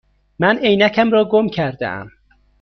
من عینکم را گم کرده ام.